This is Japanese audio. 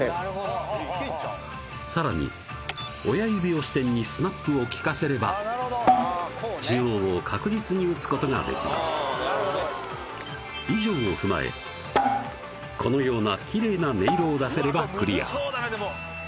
さらに親指を支点にスナップを利かせれば中央を確実に打つことができます以上を踏まえこのような大サービス